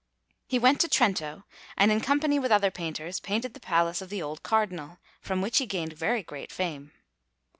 He went to Trento, and, in company with other painters, painted the palace of the old Cardinal, from which he gained very great fame.